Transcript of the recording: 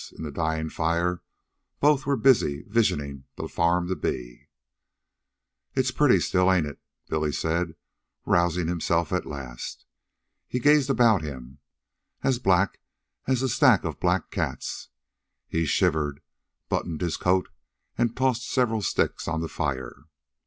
In the dying fire both were busy visioning the farm to be. "It's pretty still, ain't it?" Billy said, rousing himself at last. He gazed about him. "An' black as a stack of black cats." He shivered, buttoned his coat, and tossed several sticks on the fire.